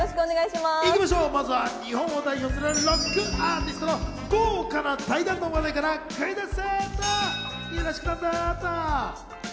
まずは日本を代表するロックアーティストの豪華な対談の話題からクイズッス！